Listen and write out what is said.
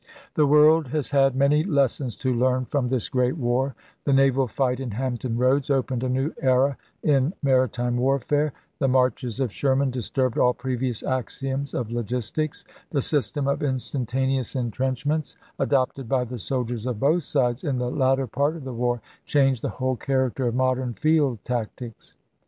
The world has had many lessons to learn from this great war : the naval fight in Hampton Eoads opened a new era in maritime warfare; the marches of Sherman disturbed all previous axioms of logistics ; the system of instantaneous intrench ments, adopted by the soldiers of both sides in the latter part of the war, changed the whole character of modern field tactics.